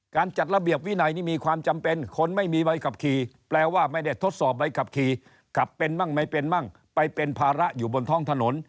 จัดระเบียบวินัยนี่มีความจำเป็นคนไม่มีใบขับขี่แปลว่าไม่ได้ทดสอบใบขับขี่ขับเป็นมั่งไม่เป็นมั่งไปเป็นภาระอยู่บนท้องถนน